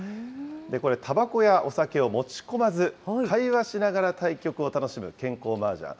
これ、たばこやお酒を持ち込まず、会話しながら対局を楽しむ健康マージャン。